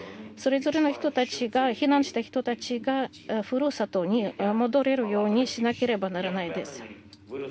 それぞれ避難した人たちが故郷に戻れるようにしなければならないです。